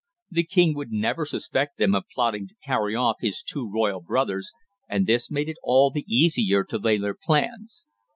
The king would never suspect them of plotting to carry off his two royal brothers, and this made it all the easier to lay their plans.